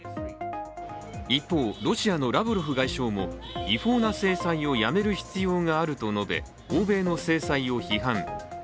一方、ロシアのラブロフ外相も違法な制裁をやめる必要があると述べ欧米の制裁を批判。